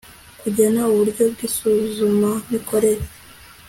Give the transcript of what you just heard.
kugena uburyo bw isuzumamikorere